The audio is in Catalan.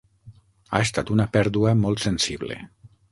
Ha estat una pèrdua molt sensible.